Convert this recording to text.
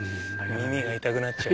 耳が痛くなっちゃう。